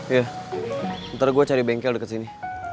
iya nanti gue cari bengkel deket sini